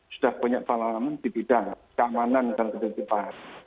sudah punya pengalaman di bidang keamanan dan ketentuan